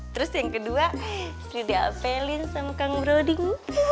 terus yang kedua sri diapelin sama kang broding